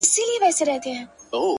سیاه پوسي ده- مرگ خو یې زوی دی-